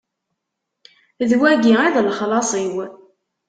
D wagi i d lexlaṣ-iw.